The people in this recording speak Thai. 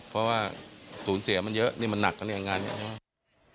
เพราะว่าสูญเสียมันเยอะนี่มันหนักกันเนี่ยงานนี้